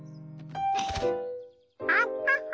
アッハハ。